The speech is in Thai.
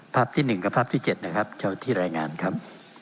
ภาพที่๑กับภาพที่๗นะครับเจ้าที่รายงานครับ